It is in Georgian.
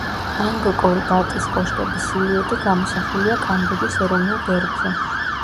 ანგკორ-ვატის კოშკების სილუეტი გამოსახულია კამბოჯის ეროვნულ გერბზე.